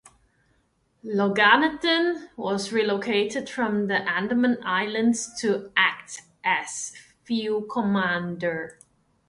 Loganathan was relocated from the Andaman Islands to act as field commander.